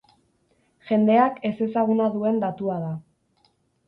Jendeak ezezaguna duen datua da.